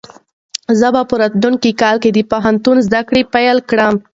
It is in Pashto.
زه به راتلونکی کال د پوهنتون زده کړې پیل کړم.